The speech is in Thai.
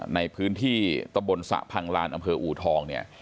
ในพื้นที่ตะบลสระพังลานอำเภออูทอง